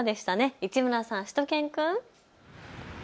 市村さん、しゅと犬くん。